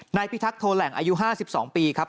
พิทักษ์โทแหล่งอายุ๕๒ปีครับ